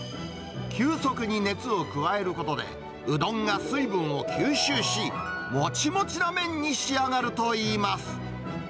急速に熱を加えることで、うどんが水分を吸収し、もちもちの麺に仕上がるといいます。